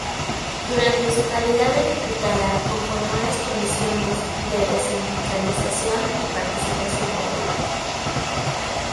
Durante su calidad de diputada conformó las comisiones de descentralización y participación popular.